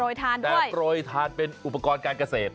โปรยธานด้วยโปรยธานเป็นอุปกรณ์การเกษตร